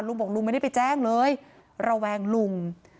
ลุงบอกลุงไม่ได้ไปแจ้งเลยระแวงลุง